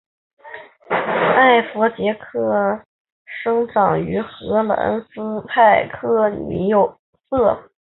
艾佛杰克生长于荷兰斯派克尼瑟。